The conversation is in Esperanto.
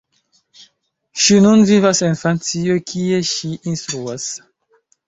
Ŝi nun vivas en Francio kie ŝi instruas.